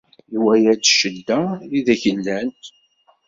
Iwala-d ccedda ideg llan.